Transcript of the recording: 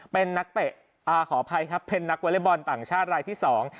เป็นนักเตะอ่าขออภัยครับเป็นนักวอเล็กบอลต่างชาติรายที่สอง